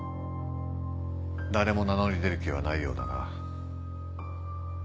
誰も名乗り出る気はないようだな。